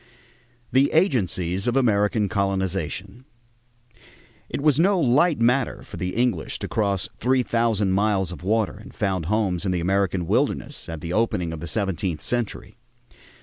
THE AGENCIES OF AMERICAN COLONIZATION It was no light matter for the English to cross three thousand miles of water and found homes in the American wilderness at the opening of the seventeenth century.